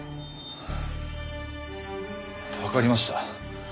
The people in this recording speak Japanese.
わかりました。